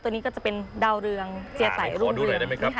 ตัวนี้ก็จะเป็นดาวเรืองเจียตัยรุ่งเรืองขอดูหน่อยได้ไหมครับ